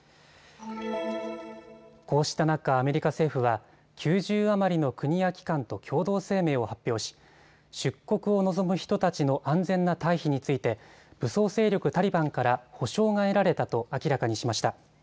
こうした中、アメリカ政府は９０余りの国や機関と共同声明を発表し出国を望む人たちの安全な退避について武装勢力タリバンから保証が得られたと明らかにしました。